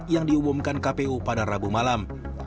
yang diumumkan kpu pada rabu malam